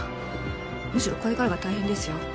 むしろこれからが大変ですよ。